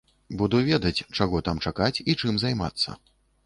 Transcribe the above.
Буду ведаць, чаго там чакаць і чым займацца.